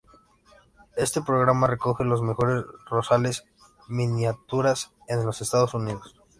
Este programa recoge los mejores rosales miniaturas en los Estados Unidos.